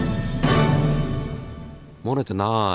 もれてない！